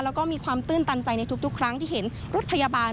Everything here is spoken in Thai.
แล้วก็มีความตื้นตันใจในทุกครั้งที่เห็นรถพยาบาล